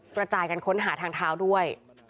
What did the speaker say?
กระจายกันค้นหาทางเท้าด้วย